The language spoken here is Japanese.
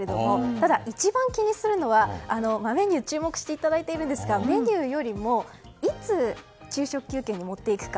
ただ一番気にするのはメニューに注目していただいていますがメニューよりもいつ昼食休憩に持っていくか。